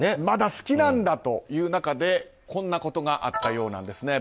まだ好きなんだという中でこんなことがあったようです。